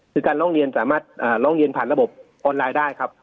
คือการร้องเรียนสามารถร้องเรียนผ่านระบบออนไลน์ได้ครับ